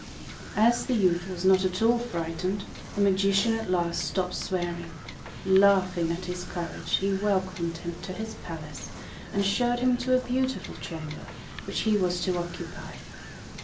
As the youth was not at all frightened, the magician at last stopped swearing. Laughing at his courage, he welcomed him to his palace, and showed him to a beautiful chamber which he was to occupy.